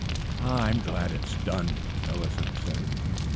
"I am glad it is gone," Millicent said.